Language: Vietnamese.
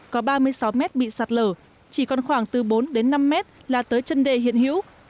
có ba mươi sáu mét bị sạt lở chỉ còn khoảng từ bốn đến năm mét là tới chân đê hiện hữu